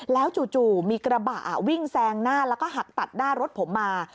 แล้วจู่มีกระบะวิ่งแซงหน้าแล้วก็หักตัดหน้ารถผมมา